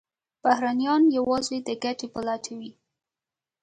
بهرنیان یوازې د ګټې په لټه وي.